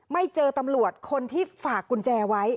ไม่เจอตำรวจคนที่ฝากกุญแจไว้